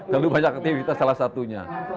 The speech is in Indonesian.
terlalu banyak aktivitas salah satunya